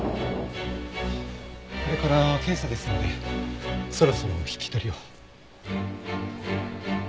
これから検査ですのでそろそろお引き取りを。